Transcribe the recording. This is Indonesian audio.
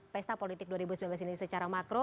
pesta politik dua ribu sembilan belas ini secara makro